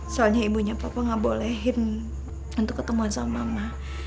soalnya ibunya papa nggak bolehin untuk ketemuan sama mama